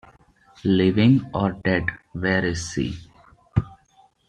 Living or dead, where is she?